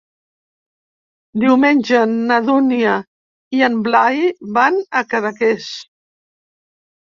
Diumenge na Dúnia i en Blai van a Cadaqués.